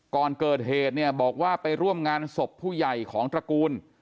ก่อนเกิดเหตุเนี่ยบอกว่าไปร่วมงานศพผู้ใหญ่ของตระกูล